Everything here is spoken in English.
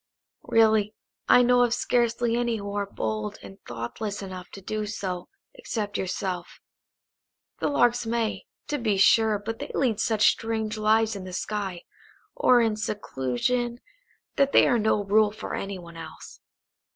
"Really, I know of scarcely any who are bold and thoughtless enough to do so except yourself. The Larks may, to be sure, but they lead such strange lives in the sky, or in seclusion, that they are no rule for any one else.